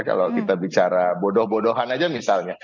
kalau kita bicara bodoh bodohan aja misalnya